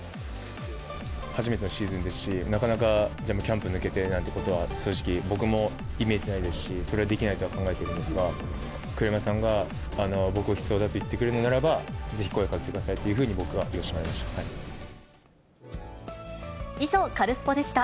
初めてのシーズンですし、なかなかキャンプ抜けてなんてことは正直、僕もイメージしてないですし、それはできないと考えているのですが、栗山さんが僕を必要だと言ってくれるのならば、ぜひ声をかけてくださいっていうふうに僕は言わせてもらいました。